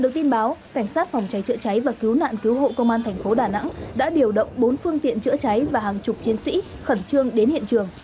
các phòng trái chữa cháy và cứu nạn cứu hộ công an thành phố đà nẵng đã điều động bốn phương tiện chữa cháy và hàng chục chiến sĩ khẩn trương đến hiện trường